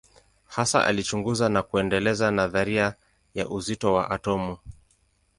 Hasa alichunguza na kuendeleza nadharia ya uzito wa atomu.